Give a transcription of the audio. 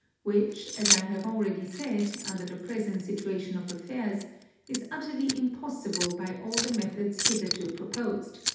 which, as I have already said, under the present situation of affairs, is utterly impossible by all the methods hitherto proposed.